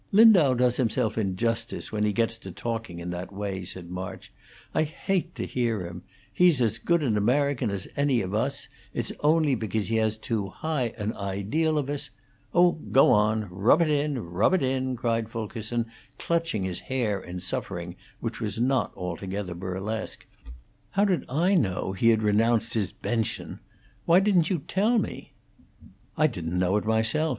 "Lindau does himself injustice when he gets to talking in that way," said March. "I hate to hear him. He's as good an American as any of us; and it's only because he has too high an ideal of us " "Oh, go on! Rub it in rub it in!" cried Fulkerson, clutching his hair in suffering, which was not altogether burlesque. "How did I know he had renounced his 'bension'? Why didn't you tell me?" "I didn't know it myself.